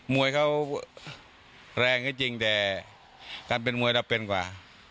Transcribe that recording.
มวยเขาแรงก็จริงแต่การเป็นมวยเราเป็นกว่า